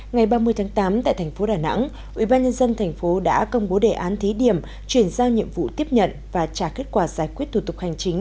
ngày ba mươi tháng tám tại thành phố đà nẵng ubnd tp đã công bố đề án thí điểm chuyển giao nhiệm vụ tiếp nhận và trả kết quả giải quyết thủ tục hành chính